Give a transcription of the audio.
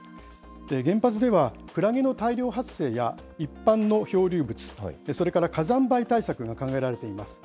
原発では、くらげの大量発生や一般の漂流物、それから火山灰対策が考えられています。